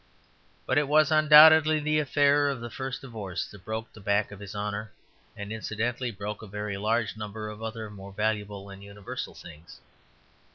But it was undoubtedly the affair of the first divorce that broke the back of his honour, and incidentally broke a very large number of other more valuable and universal things.